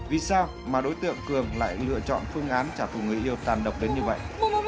vì sao mà đối tượng cường lại lựa chọn phương án trả thù người yêu tàn độc đến như vậy